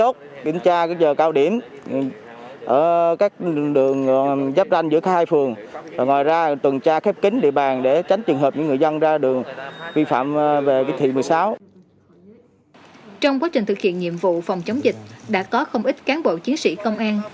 trong quá trình thực hiện nhiệm vụ phòng chống dịch đã có không ít cán bộ chiến sĩ công an